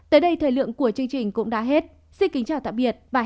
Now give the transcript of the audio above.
tới đây thời lượng của chương trình cũng đã hết xin kính chào tạm biệt và hẹn gặp lại